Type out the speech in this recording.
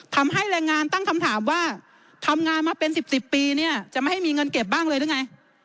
ทำให้แรงงานตั้งคำถามว่าทำงานมาเป็น๑๐ปีเนี่ยจะไม่ให้มีเงินเก็บบ้างเลยหรือไง